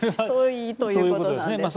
太いということなんですね。